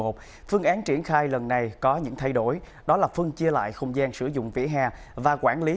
phương án triển khai lần này có những thay đổi đó là phân chia lại không gian sử dụng vỉa hè và quản lý